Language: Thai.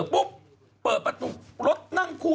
ปุ๊บเปิดประตูรถนั่งคู่